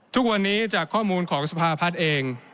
ทุกวันนี้จากข้อมูลของสภาพัฒน์เอง